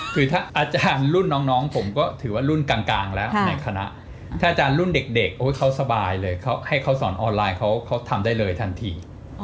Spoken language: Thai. คือถ้าอาจารย์รุ่นน้องผมก็ถือว่ารุ่นกลางแล้วในคณะถ้าอาจารย์รุ่นเด็กเขาสบายเลยให้เขาสอนออนไลน์เขาทำได้เลยทันที